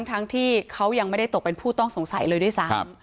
ทั้งที่เขายังไม่ได้ตกเป็นผู้ต้องสงสัยเลยด้วยซ้ำ